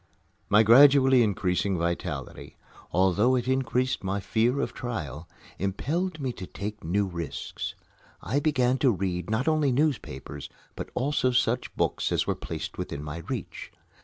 My gradually increasing vitality, although it increased my fear of trial, impelled me to take new risks. I began to read not only newspapers, but also such books as were placed within my reach.